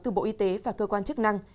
từ bộ y tế và cơ quan chức năng